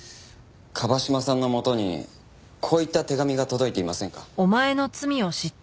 椛島さんのもとにこういった手紙が届いていませんか？